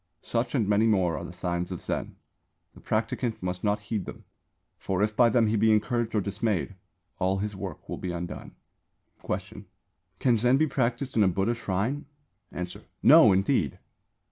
Such and many more are the signs of Zen. The practicant must not heed them; for if by them he be encouraged or dismayed, all his work will be undone. Question. Can Zen be practised in a Buddha Shrine? Answer. No, indeed!